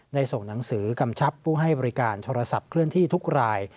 ส่งหนังสือกำชับผู้ให้บริการโทรศัพท์เคลื่อนที่ทุกราย